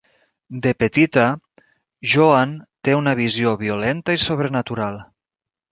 De petita, Joan té una visió violenta i sobrenatural.